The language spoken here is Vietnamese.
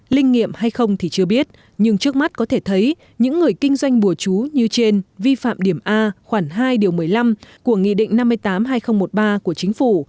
linh nghiệm hay không thì chưa biết nhưng trước mắt có thể thấy những người kinh doanh bùa chú như trên vi phạm điểm a khoảng hai điều một mươi năm của nghị định năm mươi tám hai nghìn một mươi ba của chính phủ